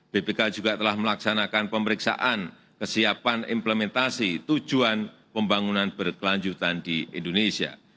bpk juga telah melaksanakan pemeriksaan kesiapan implementasi tujuan pembangunan berkelanjutan di indonesia